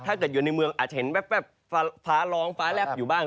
ถ้าเกิดอยู่ในเมืองอาจจะเห็นแว๊บฟ้าร้องฟ้าแลบอยู่บ้าง